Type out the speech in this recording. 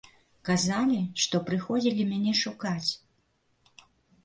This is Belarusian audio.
Казалі, што прыходзілі мяне шукаць.